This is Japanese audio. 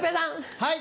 はい。